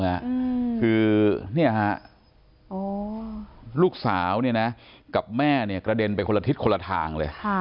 คือเนี่ยลูกสาวกับแม่กระเด็นไปคนละทิศคนละทางเลย